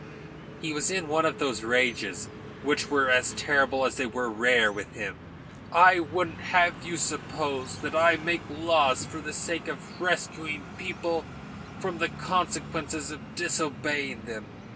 He was in one of those rages which were as terrible as they were rare with him. "I wouldn't have you suppose that I make laws for the sake of rescuing people from the consequences of disobeying them.